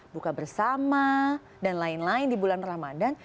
buka bersama dan lain lain di bulan ramadan